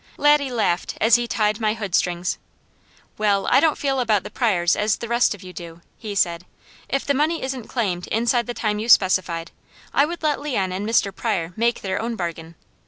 Laddie laughed as he tied my hood strings. "Well I don't feel about the Pryors as the rest of you do," he said. "If the money isn't claimed inside the time you specified, I would let Leon and Mr. Pryor make their own bargain.